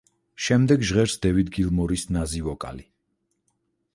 შემდეგ ჟღერს დევიდ გილმორის ნაზი ვოკალი.